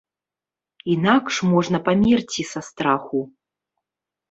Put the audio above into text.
Інакш можна памерці са страху.